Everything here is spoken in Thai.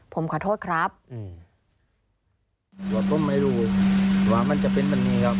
ผมขอโทษครับ